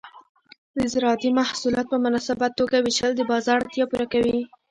د زراعتي محصولات په مناسبه توګه ویشل د بازار اړتیا پوره کوي.